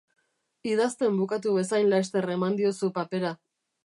Idazten bukatu bezain laster eman diozu papera.